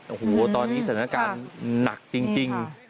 โอ้โหตอนนี้สถานการณ์หนักจริง